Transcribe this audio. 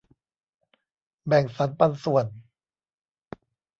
แบ่งสันปันส่วน